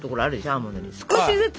アーモンドに少しずつ。